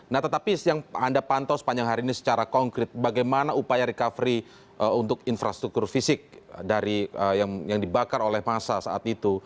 nah tetapi yang anda pantau sepanjang hari ini secara konkret bagaimana upaya recovery untuk infrastruktur fisik yang dibakar oleh massa saat itu